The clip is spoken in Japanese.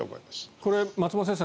これは松本先生